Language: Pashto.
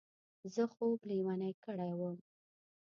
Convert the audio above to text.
زه خوب لېونی کړی وم.